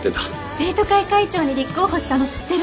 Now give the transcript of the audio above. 生徒会会長に立候補したの知ってる？